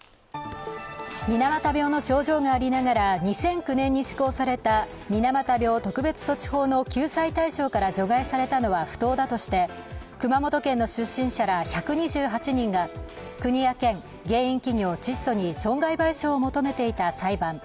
水俣病の症状がありながら２００９年に施行された水俣病特別措置法の救済対象から除外されたのは不当だとして熊本県の出身者ら１２８人が国や県、原因企業チッソに損害賠償を求めていた裁判。